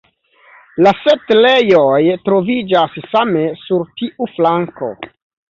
La setlejoj troviĝas same sur tiu flanko.